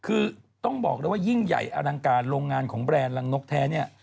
คือต้องบอกเลยว่ายิ่งใหญ่อลังการโรงงานของแบรนด์รังนกแท้เนี่ย